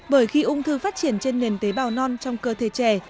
bởi khi ung thư phát triển trên nền tế bào non trong cơ thể trẻ